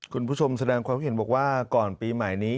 คุณผู้ชมแสดงความคิดเห็นบอกว่าก่อนปีใหม่นี้